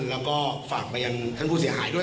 แล้วก็ฝากไปทางทางผู้เสียหายนะครับ